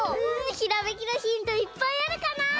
ひらめきのヒントいっぱいあるかなあ？